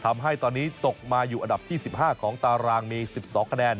ทำให้ตอนนี้ตกมาอยู่อันดับที่๑๕ของตารางมี๑๒คะแนน